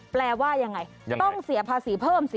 แปลว่ายังไงต้องเสียภาษีเพิ่มสิ